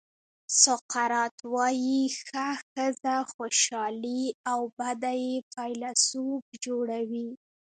سقراط وایي ښه ښځه خوشالي او بده یې فیلسوف جوړوي.